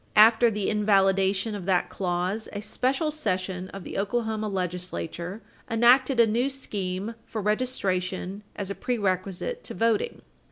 After the invalidation of that clause, a special session of the Oklahoma legislature enacted a new scheme for registration as a prerequisite to voting.